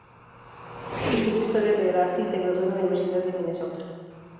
Estudió Historia del arte y se graduó en la Universidad de Minnesota.